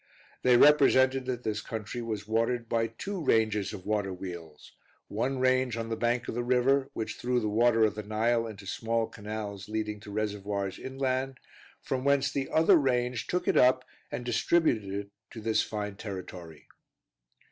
They represented that this country was watered by two ranges of water wheels; one range on the bank of the river, which threw the water of the Nile into small canals leading to reservoirs inland, from whence the other range took it up and distributed it to this fine territory.